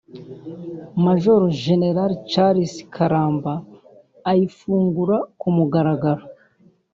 Maj Gen Charles Karamba ayifungura ku mugaragaro